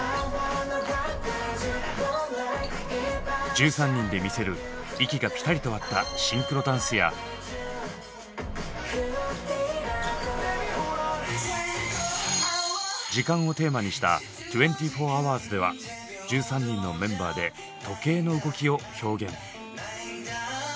１３人で魅せる息がピタリと合ったシンクロダンスや時間をテーマにした「２４Ｈ」では１３人のメンバーで時計の動きを表現。